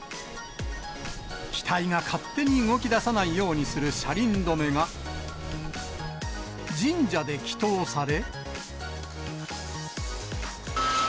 機体が勝手に動きださないようにする車輪止めが、神社で祈とうされ。